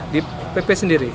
di pp sendiri